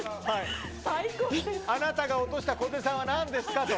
あなたが落とした小手さんはなんですか、と。